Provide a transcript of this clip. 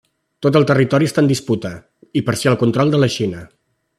Tot el territori està en disputa i parcial control de la Xina.